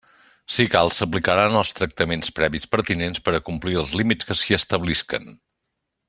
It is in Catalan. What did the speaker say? Si cal, s'aplicaran els tractaments previs pertinents per a complir els límits que s'hi establisquen.